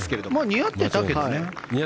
似合ってたけどね。